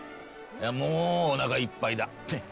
もうおなかいっぱいだ。